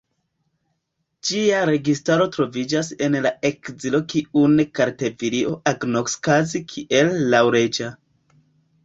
Ĝia registaro troviĝas en la ekzilo kiun Kartvelio agnoskas kiel laŭleĝa.